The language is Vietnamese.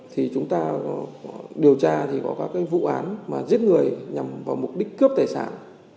thì chúng ta điều tra thì có các vụ án mà giết người nhằm vào mục đích cướp tài sản